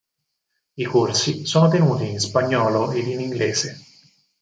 I corsi sono tenuti in spagnolo e in inglese.